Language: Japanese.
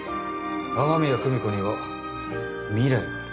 雨宮久美子には未来がある。